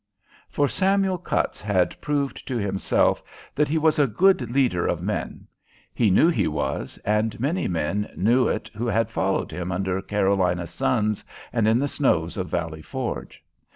For Samuel Cutts had proved to himself that he was a good leader of men. He knew he was, and many men knew it who had followed him under Carolina suns, and in the snows of Valley Forge.